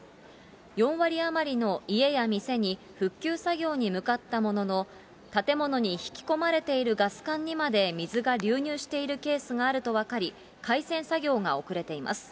４割余りの家や店に復旧作業に向かったものの、建物に引き込まれているガス管にまで水が流入しているケースがあると分かり、開栓作業が遅れています。